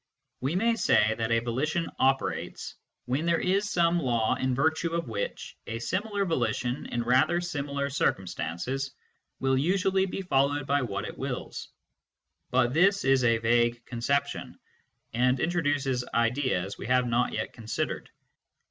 We I 9 2 MYSTICISM AND LOGIC may say that a volition "operates" when there is some law in virtue of which a similar volition in rather similar circumstances will usually be followed by what it wills. But this is a vague conception, and introduces ideas which we have not yet considered.